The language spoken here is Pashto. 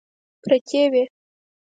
پرتې وې.